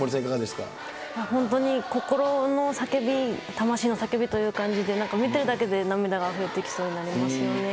本当に心の叫び、魂の叫びという感じで、なんか見てるだけで涙があふれてきそうになりますよね。